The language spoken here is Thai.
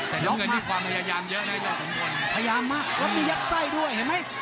แต่ล้มงั้นนี่ความพยายามเยอะนะเดี๋ยวกับส่วนคนพยายามมากแล้วมียัดไส้ด้วยเห็นมั้ย